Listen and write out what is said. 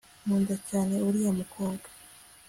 Nkunda cyane uriya mukobwa